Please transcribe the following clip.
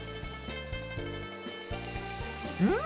うん！